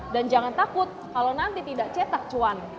dan jangan takut kalau nanti tidak cetak cuan